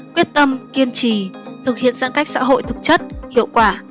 quyết tâm kiên trì thực hiện giãn cách xã hội thực chất hiệu quả